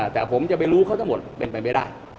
แต่ผมจะไปรู้เขาทั้งหมดเป็นไปไม่ได้